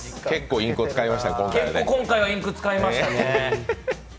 結構、今回はインク使いましたね。